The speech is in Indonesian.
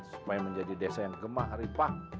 supaya menjadi desa yang gemah ripah